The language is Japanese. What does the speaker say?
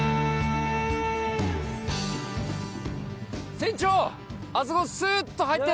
船長！